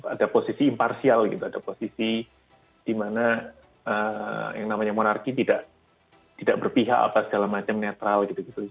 ada posisi imparsial gitu ada posisi di mana yang namanya monarki tidak berpihak apa segala macam netral gitu gitu